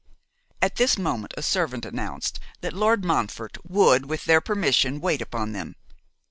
At this moment a servant announced that Lord Montfort would, with their permission, wait upon them.